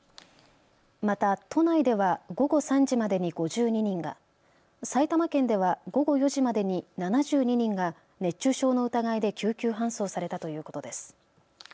また都内では午後３時までに５２人が、埼玉県では午後４時までに７２人が熱中症の疑いで救急搬送されたということです。